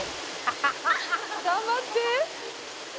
「頑張って」